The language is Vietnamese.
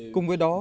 cùng với đó